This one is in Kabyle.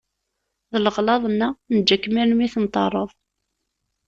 D leɣlaḍ-nneɣ neǧǧa-kem armi i tenṭerreḍ.